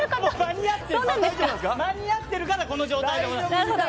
間に合ってるからこの状態でございます。